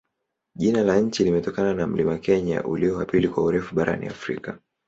Jina la nchi limetokana na mlima Kenya, ulio wa pili kwa urefu barani Afrika.